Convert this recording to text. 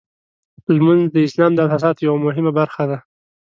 لمونځ د اسلام د اساساتو یوه مهمه برخه ده.